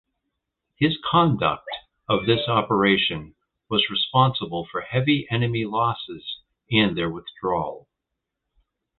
His conduct of this operation was responsible for heavy enemy losses and their withdrawal.